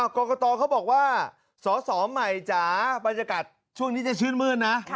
กรกฎร์เขาบอกว่าสอสอใหม่จะราคาปัจจากช่วงนี้จะชื่นมือนะ